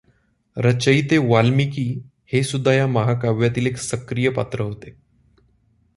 रचयिते वाल्मीकी हे सुद्धा या महाकाव्यातील एक सक्रिय पात्र होते.